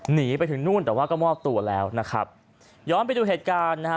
หนีไปถึงนู่นแต่ว่าก็มอบตัวแล้วนะครับย้อนไปดูเหตุการณ์นะฮะ